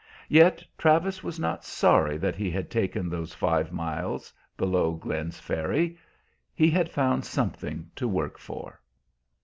Yet Travis was not sorry that he had taken those five miles below Glenn's Ferry: he had found something to work for.